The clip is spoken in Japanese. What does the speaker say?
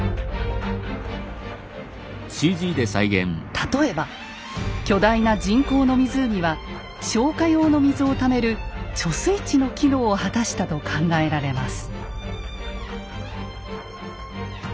例えば巨大な人工の湖は消火用の水をためる貯水池の機能を果たしたと考えられます。